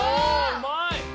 うまい！